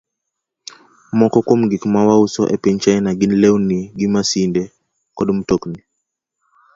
Moko kuom gik ma wauso e piny China gin lewni, masinde, kod mtokni.